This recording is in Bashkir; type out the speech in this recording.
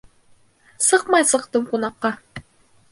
Сыҡмай сыҡтым ҡунаҡҡа